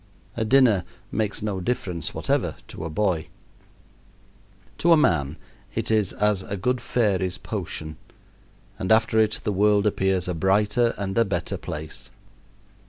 A dinner makes no difference whatever to a boy. To a man it is as a good fairy's potion, and after it the world appears a brighter and a better place.